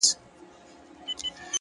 هره موخه تمرکز او نظم غواړي!.